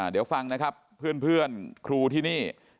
เดี๋ยวฟังนะครับเพื่อนครูที่นี่